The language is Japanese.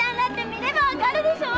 見ればわかるでしょ！